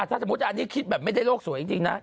ถ้าสมมุติอันนี้คิดแบบไม่ได้โลกสวยจริงนะ